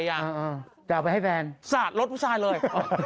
จะเอาไปให้แฟนสาดรถผู้ชายเลย